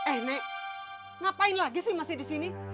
eh nek ngapain lagi sih masih di sini